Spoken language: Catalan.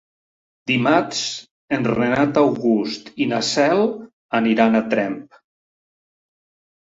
Dimarts en Renat August i na Cel aniran a Tremp.